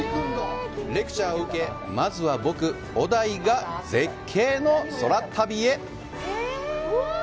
レクチャーを受け、まずは、僕、小田井が絶景の空旅へ！